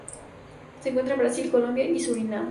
Se encuentra en Brasil, Colombia y Surinam.